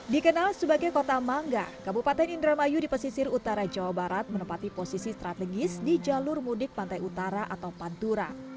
dikenal sebagai kota mangga kabupaten indramayu di pesisir utara jawa barat menempati posisi strategis di jalur mudik pantai utara atau pantura